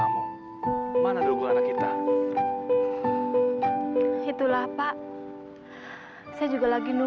dokter dogol tahu bahwa bapaknya